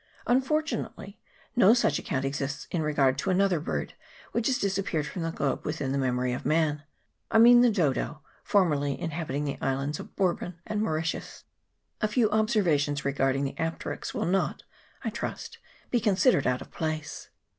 Unfortunately, no such account exists in regard to another bird which has disappeared from the globe within the memory of man ; I mean the dodo, formerly inhabiting the islands of Bour bon and Mauritius. A few observations regarding the apterix will not, I trust, be considered out of place.